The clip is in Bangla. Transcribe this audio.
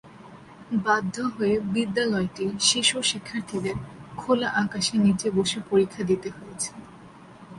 বাধ্য হয়ে বিদ্যালয়টির শিশু শিক্ষার্থীদের খোলা আকাশের নিচে বসে পরীক্ষা দিতে হয়েছে।